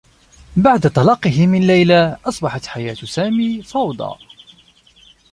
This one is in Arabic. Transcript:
بعد طلاقه من ليلى، اصبحت حياة سامي فوضى.